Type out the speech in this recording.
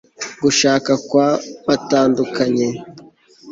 gushaka kwa batandukanye